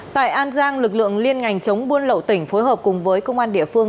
tại an giang lực lượng liên ngành chống buôn lậu tỉnh phối hợp cùng với công an địa phương